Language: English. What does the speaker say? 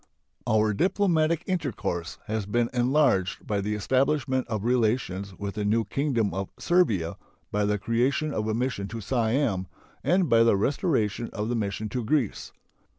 Our diplomatic intercourse has been enlarged by the establishment of relations with the new Kingdom of Servia, by the creation of a mission to Siam, and by the restoration of the mission to Greece.